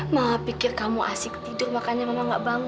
mama pikir kamu asik tidur makanya mama gak bangun